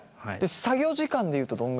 作業時間でいうとどんぐらい？